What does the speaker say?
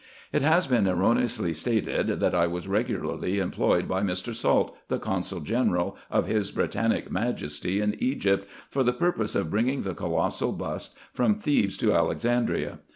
It has been erroneously stated, that I was regularly employed by Mr. Salt, the consul general of his Britannic majesty in Egypt, for the purpose of bringing the colossal bust from Thebes to Alexandria.